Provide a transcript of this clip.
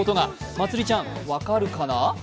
まつりちゃん、わかるかな？